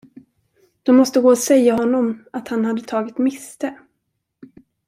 De måste gå och säga honom att han hade tagit miste.